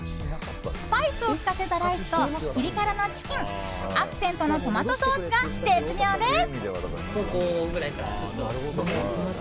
スパイスを利かせたライスとピリ辛のチキンアクセントのトマトソースが絶妙です。